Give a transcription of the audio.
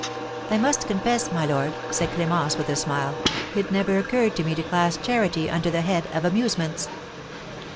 "I must confess, my lord," said Clémence, with a smile, "it never occurred to me to class charity under the head of amusements."